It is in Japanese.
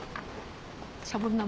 シャボン玉？